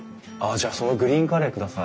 じゃあそのグリーンカレー下さい。